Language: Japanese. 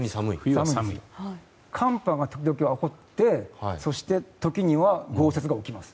寒波が時々起こってそして時には豪雪が起きます。